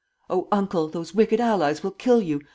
"Oh, Uncle, those wicked allies will kill you!